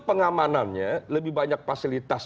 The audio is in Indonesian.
pengamanannya lebih banyak fasilitas